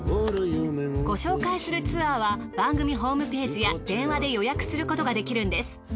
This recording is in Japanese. ご紹介するツアーは番組ホームページや電話で予約することができるんです。